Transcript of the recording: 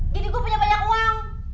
jadi gue punya banyak uang